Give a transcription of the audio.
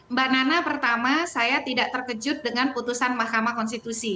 mbak nana pertama saya tidak terkejut dengan putusan mahkamah konstitusi